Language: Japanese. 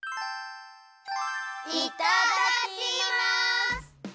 いただきます！